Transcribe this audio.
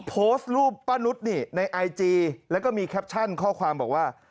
โพสต์รูปป้านุษย์ในไอจีแล้วก็มีแคปชั่นข้อความบอกว่า